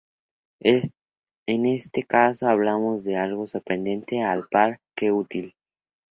En este caso hablamos de algo sorprendente a la par que útil.